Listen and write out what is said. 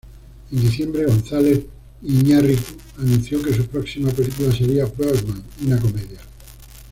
En diciembre, González Iñárritu anunció que su próxima película sería "Birdman", una comedia.